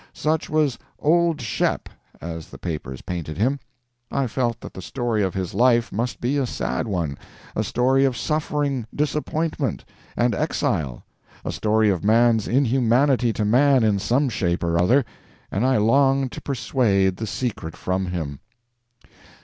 Such was "Old Shep" as the papers painted him. I felt that the story of his life must be a sad one a story of suffering, disappointment, and exile a story of man's inhumanity to man in some shape or other and I longed to persuade the secret from him.